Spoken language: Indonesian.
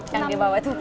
yang dibawa tuh tadi